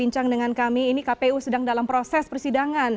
joey citradewi jakarta